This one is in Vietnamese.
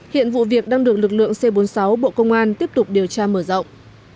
hiện vụ việc đang được lực lượng c bốn mươi sáu bộ công an tiếp tục điều tra mở rộng